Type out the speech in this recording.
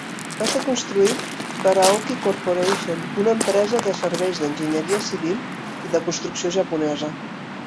Va ser construït per Aoki Corporation, una empresa de serveis d'enginyeria civil i de construcció japonesa.